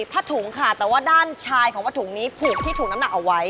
ผ้าถุงค่ะแต่ว่าด้านชายของผ้าถุงนี้ผูกที่ถุงน้ำหนักเอาไว้